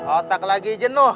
otak lagi jenuh